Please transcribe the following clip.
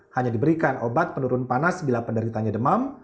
hanya diberikan obat penurun panas bila penderitanya demam